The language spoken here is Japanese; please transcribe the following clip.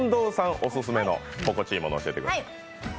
お勧めの心地いいものを教えてください。